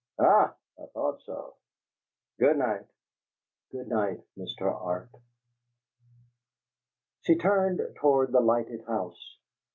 "Ha, I thought so! Good night." "Good night, Mr. Arp." She turned toward the lighted house.